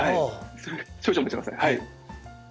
少々お待ちください。